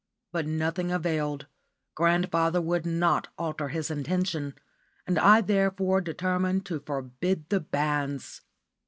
But nothing availed grandfather would not alter his intention; and I therefore determined to forbid the banns.